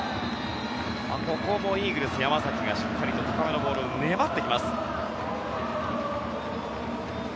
ここもイーグルス、山崎がしっかり高めのボールを粘っていきます。